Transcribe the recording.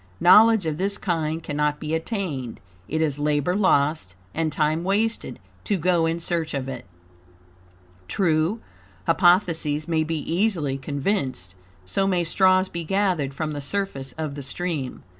KNOWLEDGE OF THIS KIND CANNOT BE ATTAINED; it is labor lost and TIME wasted to go in search of it. True, hypotheses may be easily conceived; so may straws be gathered from the surface of the stream.